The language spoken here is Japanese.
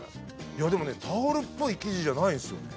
いやでもねタオルっぽい生地じゃないんですよね。